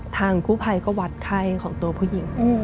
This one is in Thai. ทางกู้ภัยก็วัดไข้ของตัวผู้หญิง